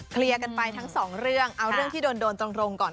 เคลียร์กันไปทั้งสองเรื่องเอาเรื่องที่โดนตรงก่อน